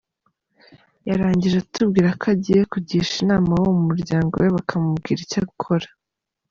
Yarangije atubwira ko agiye kugisha inama abo mu muryango we bakamubwira icyo gukora.